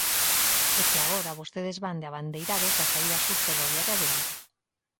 É que agora vostedes van de abandeirados da saída sur ferroviaria de Vigo.